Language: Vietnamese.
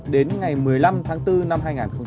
đến ngày một mươi năm tháng bốn năm hai nghìn một mươi chín